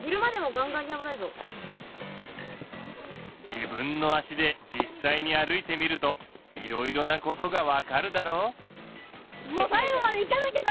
自分の足で実際に歩いてみるといろいろなことが分かるだろう？